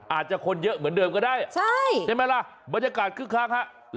อาจจะคนเยอะเหมือนเดิมก็ได้ใช่ไหมล่ะบรรยากาศคึกคักฮะ